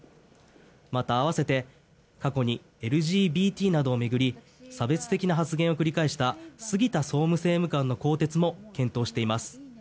また併せて過去にＬＧＢＴなどを巡り差別的な発言を繰り返した杉田総務政務官の更迭も検討しています。